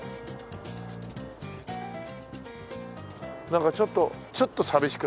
なんかちょっとちょっと寂しくなるね。